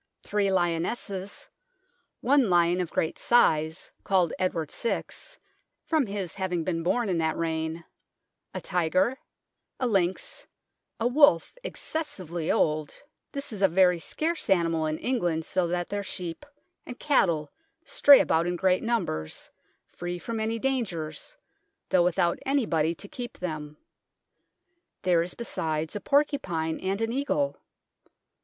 three lionesses, one lion of great size, called Edward VI, from his having been born in that reign ; a tyger, a lynx, a wolf excessively old, this is a very scarce animal in England, so that their sheep and cattle stray about in great numbers, free from any dangers, though without anybody to keep them ; there is besides a porcupine and an eagle.